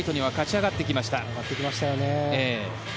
上がってきましたよね。